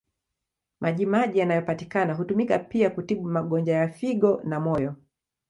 Maji maji yanayopatikana hutumika pia kutibu magonjwa ya figo na moyo.